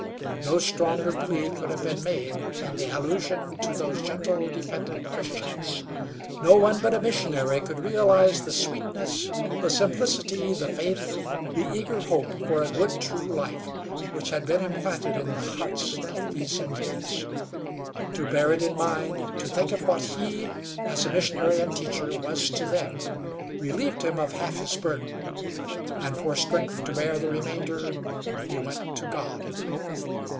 No stronger plea could have been made than the allusion to those gentle, dependent Christians. No one but a missionary could realize the sweetness, the simplicity, the faith, the eager hope for a good, true life which had been implanted in the hearts of these Indians. To bear it in mind, to think of what he, as a missionary and teacher, was to them, relieved him of half his burden, and for strength to bear the remainder he went to God.